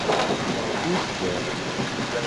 Күҙҙәр